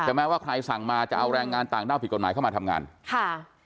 แม้ว่าใครสั่งมาจะเอาแรงงานต่างด้าวผิดกฎหมายเข้ามาทำงานค่ะ